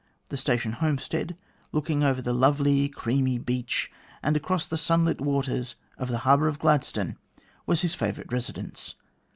The station homestead, look ing over the lovely creamy beach and across the sun lit waters of the harbour to Gladstone, was his favourite resid ence.